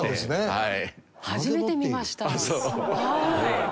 はい。